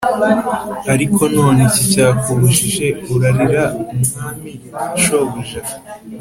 Ariko none ni iki cyakubujije urarira umwami shobuja?